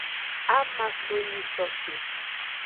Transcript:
Ama so nyisoke.